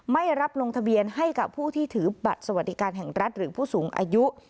ไม่รับลงทะเบียนให้กับผู้ที่ถือบัตรสวัสดิการแห่งรัฐหรือผู้สูงอายุ